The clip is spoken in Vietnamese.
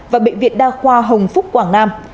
và bệnh viện đa khoa hồng phúc quảng nam